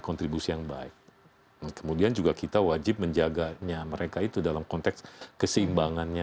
kontribusi yang baik kemudian juga kita wajib menjaganya mereka itu dalam konteks keseimbangannya